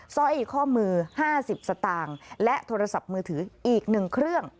สร้อยข้อมือ๕๐สตางค์และโทรศัพท์มือถืออีก๑เครื่อง